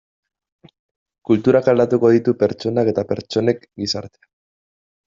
Kulturak aldatuko ditu pertsonak eta pertsonek gizartea.